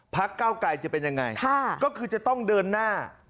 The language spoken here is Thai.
เก้าไกรจะเป็นยังไงก็คือจะต้องเดินหน้า